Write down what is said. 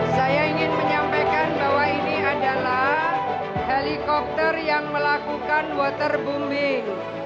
saya ingin menyampaikan bahwa ini adalah helikopter yang melakukan waterbombing